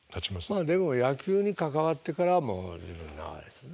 まあでも野球に関わってからはもう長いですよね？